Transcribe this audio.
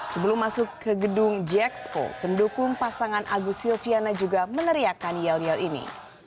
sebelum masuk ke gedung gxpo pendukung pasangan agus silviana juga meneriakan yel yel ini